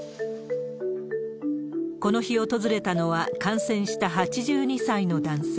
この日訪れたのは感染した８２歳の男性。